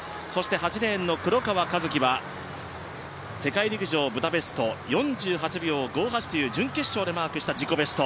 ８レーンの黒川和樹は世界陸上ブダペスト４８秒５８という、準決勝でマークした自己ベスト。